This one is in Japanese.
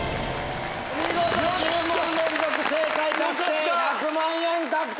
見事１０問連続正解達成１００万円獲得！